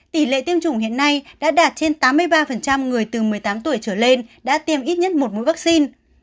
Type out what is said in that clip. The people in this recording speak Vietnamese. tỷ lệ tiêm chủng hiện nay đã đạt trên tám mươi ba người từ một mươi tám tuổi trở lên đã tiêm ít nhất một mũi vaccine